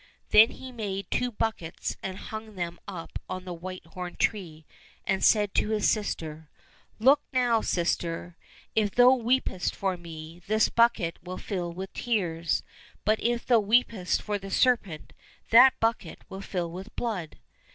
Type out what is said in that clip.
Then he made two buckets and hung them up on the whitethorn tree, and said to his sister, " Look now, sister ! if thou weepest for me, this bucket will fill with tears, but if thou weepest for the serpent that bucket will fill with blood